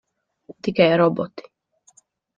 Tikai roboti.